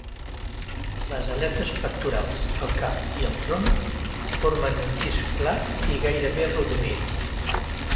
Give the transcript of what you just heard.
Les aletes pectorals, el cap i el tronc formen un disc pla i gairebé arrodonit.